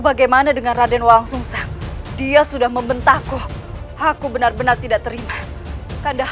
bagaimana dengan raden wangsungsang dia sudah membentakku aku benar benar tidak terima kandaprabu